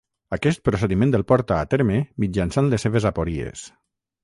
Aquest procediment el porta a terme mitjançant les seves apories.